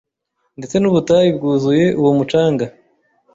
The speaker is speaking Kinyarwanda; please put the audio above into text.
ndetse n'ubutayu bwuzuye uwo mucanga